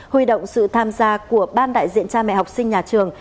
huy động sự tham gia của ban đại diện cha mẹ học sinh nhà trường